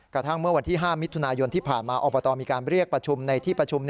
กระทั่งเมื่อวันที่๕มิถุนายนที่ผ่านมาอบตมีการเรียกประชุมในที่ประชุม